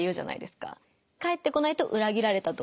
かえってこないと裏切られたと思う。